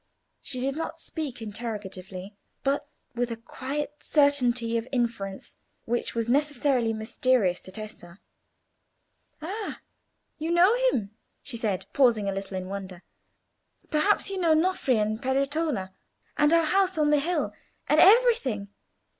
She did not speak interrogatively, but with a quiet certainty of inference which was necessarily mysterious to Tessa. "Ah! you know him!" she said, pausing a little in wonder. "Perhaps you know Nofri and Peretola, and our house on the hill, and everything.